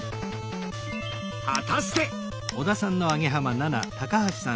果たして。